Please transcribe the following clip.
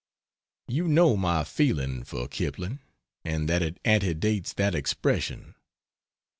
You know my feeling for Kipling and that it antedates that expression.